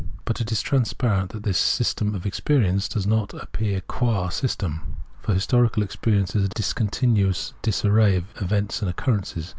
But it is transparent that the ' system of experience ' does not appear qua system,, for historical experience is a dis continuous disarray of events and occurrences.